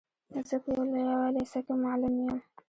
زه په يوه لېسه کي معلم يم.